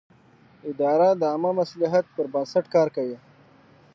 اداره د عامه مصلحت پر بنسټ کار کوي.